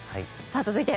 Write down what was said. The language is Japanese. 続いて。